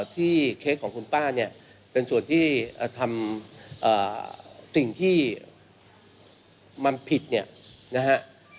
เคสของคุณป้าเนี่ยเป็นส่วนที่ทำสิ่งที่มันผิดเนี่ยนะฮะ